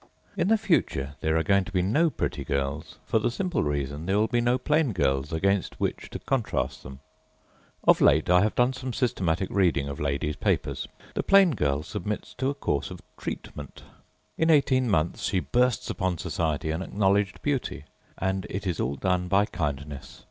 In the future there are going to be no pretty girls, for the simple reason there will be no plain girls against which to contrast them. Of late I have done some systematic reading of ladiesâ papers. The plain girl submits to a course of âtreatment.â In eighteen months she bursts upon Society an acknowledged beauty. And it is all done by kindness.